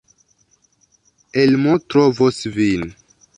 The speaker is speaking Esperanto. Elmo trovos vin.